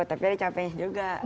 tapi ada capeknya juga